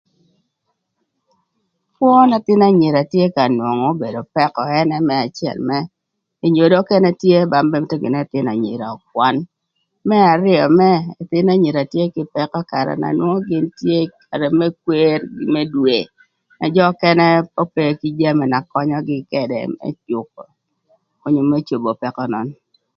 Kwö n'ëthïnö enyira tye ka nwongo n'obedo pëkö ënë më acël mërë enyodo nökënë tye ba mïtö gïnï nï ëthïnö enyira ökwan. Më arïö mërë ëthïnö enyira tye kï pëkö ï karë na nwongo gïn tye ï karë më kwer më dwe na jö nökënë ope kï jami na könyögï ködë më jükö, onyo më cobo pëkö nön.